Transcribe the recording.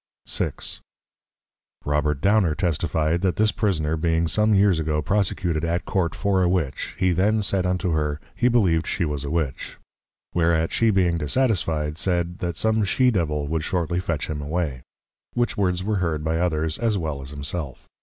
VI. Robert Downer testified, That this Prisoner being some Years ago prosecuted at Court for a Witch, he then said unto her, He believed she was a Witch. Whereat she being dissatisfied, said, That some She Devil would shortly fetch him away! Which words were heard by others, as well as himself.